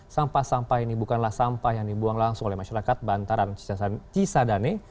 sampah sampah ini bukanlah sampah yang dibuang langsung oleh masyarakat bantaran cisadane